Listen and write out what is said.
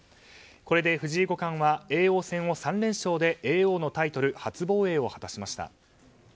これで藤井五冠は叡王戦を３連勝で叡王のタイトル初防衛を果たしました。